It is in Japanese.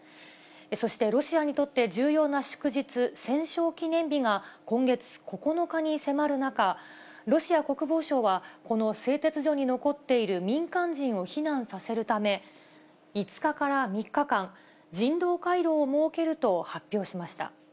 そしてロシアにとって重要な祝日、戦勝記念日が、今月９日に迫る中、ロシア国防省は、この製鉄所に残っている民間人を避難させるため、５日から３日間、人道回廊を設けると発表しました。